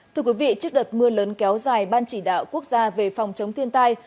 thưa quý vị trước đợt mưa lớn kéo dài ban chỉ đạo quốc gia về phòng chống thiên tai